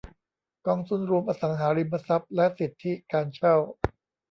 กองทุนรวมอสังหาริมทรัพย์และสิทธิการเช่า